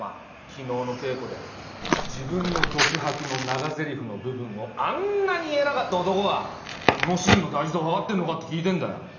昨日の稽古で自分の独白の長ぜりふの部分をあんなに言えなかった男がこのシーンの大事さ分かってんのかって聞いてんだよ。